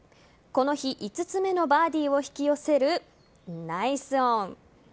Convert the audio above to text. この日５つ目のバーディーを引き寄せるナイスオン。